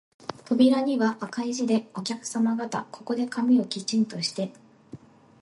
扉には赤い字で、お客さま方、ここで髪をきちんとして、